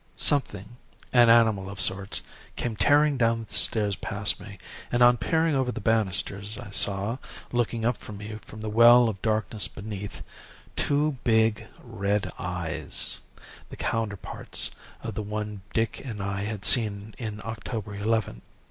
Something an animal of sorts came tearing down the stairs past me, and on peering over the banisters, I saw, looking up at me from the well of darkness beneath, two big red eyes, the counterparts of the one Dick and I had seen on October 11th.